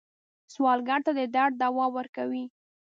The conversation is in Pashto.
سوالګر ته د درد دوا ورکوئ